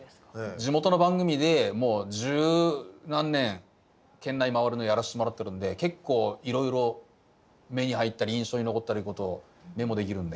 地元の番組でもう十何年県内回るのやらしてもらってるんで結構いろいろ目に入ったり印象に残ってることメモできるんで。